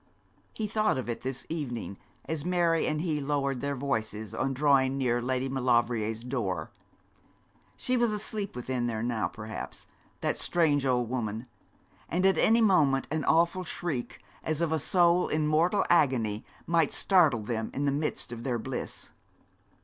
He thought of it this evening, as Mary and he lowered their voices on drawing near Lady Maulevrier's door. She was asleep within there now, perhaps, that strange old woman; and at any moment an awful shriek, as of a soul in mortal agony, might startle them in the midst of their bliss.